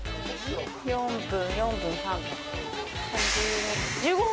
４分４分３分。